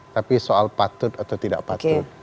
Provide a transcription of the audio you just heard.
tapi soal patut atau tidak patut